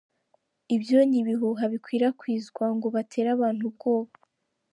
Ibyo ni ibihuha bikwirakwizwa ngo batere abantu ubwoba".